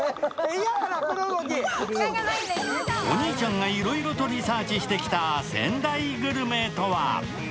お兄ちゃんがいろいろとリサーチしてきた仙台グルメとは？